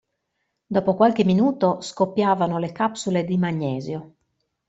Dopo qualche minuto, scoppiavano le capsule di magnesio.